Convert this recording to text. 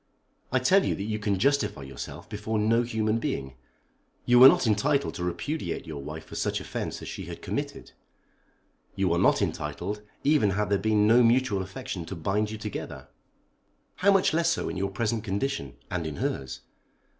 I tell you that you can justify yourself before no human being. You were not entitled to repudiate your wife for such offence as she had committed, you are not entitled even had there been no mutual affection to bind you together. How much less so in your present condition, and in hers.